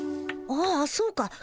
ああそうか。